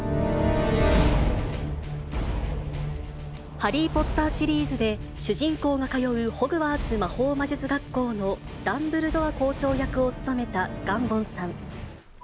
ハリー・ポッターシリーズで、主人公が通うホグワーツ魔法魔術学校のダンブルドア校長役を務めたガンボンさん。